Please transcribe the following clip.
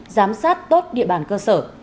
giám sát tốt địa bàn cơ sở